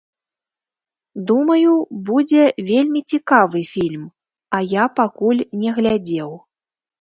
Думаю, будзе вельмі цікавы фільм, я пакуль не глядзеў.